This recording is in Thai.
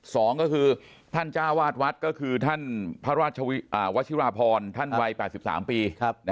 สองก็คือท่านจ้าวาดวัดก็คือท่านพระราชวชิราพรท่านวัย๘๓ปี